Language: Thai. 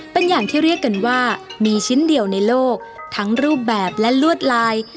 เป็นอย่างที่เรียกกันว่ามีชิ้นเดียวในโลกทั้งรูปแบบและลวดลาย